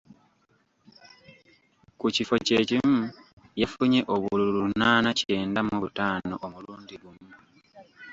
Ku kifo kye kimu, yafunye obululu lunaana kyenda mu butaano omulundi guno.